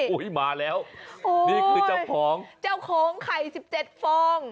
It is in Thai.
มาแล้วนี่คือเจ้าของเจ้าของไข่๑๗ฟอง